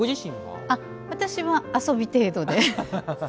私は遊び程度で。